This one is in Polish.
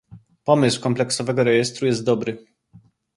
Pomysł kompleksowego rejestru jest dobry